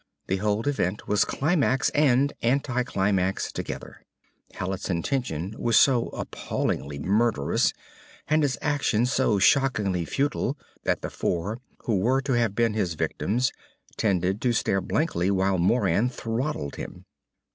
The whole event was climax and anticlimax together. Hallet's intention was so appallingly murderous and his action so shockingly futile that the four who were to have been his victims tended to stare blankly while Moran throttled him.